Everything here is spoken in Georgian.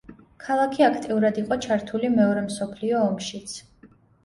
ქალაქი აქტიურად იყო ჩართული მეორე მსოფლიო ომშიც.